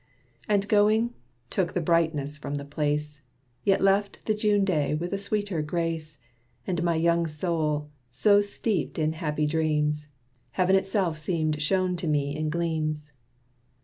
And, going, took the brightness from the place, Yet left the June day with a sweeter grace, And my young soul so steeped in happy dreams, Heaven itself seemed shown to me in gleams.